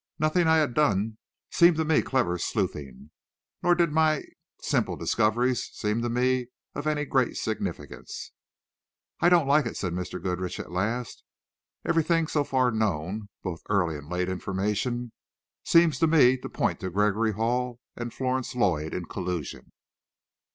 Nothing I had done seemed to me "clever sleuthing," nor did my simple discoveries seem to me of any great significance. "I don't like it," said Mr. Goodrich, at last. "Everything so far known, both early and late information, seems to me to point to Gregory Hall and Florence Lloyd in collusion."